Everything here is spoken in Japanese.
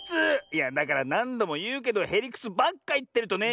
いやだからなんどもいうけどへりくつばっかいってるとね。